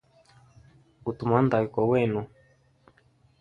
Ute mwanda ayi kowa wenu.